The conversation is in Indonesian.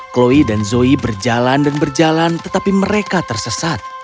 chloe dan zoe berjalan dan berjalan tetapi mereka tersesat